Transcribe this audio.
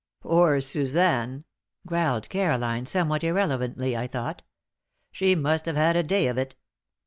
"Poor Suzanne!" growled Caroline, somewhat irrelevantly, I thought. "She must have had a day of it!